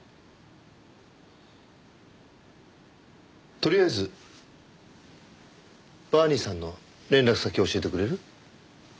とりあえずバーニーさんの連絡先教えてくれる？